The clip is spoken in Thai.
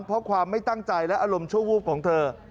เพราะความไม่ตั้งใจและอารมณ์ชั่ววูบของเธอ